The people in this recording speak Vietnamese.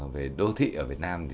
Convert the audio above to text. về đô thị ở việt nam